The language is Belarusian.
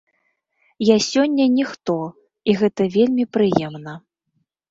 Я сёння ніхто, і гэта вельмі прыемна.